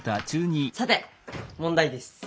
さて問題です！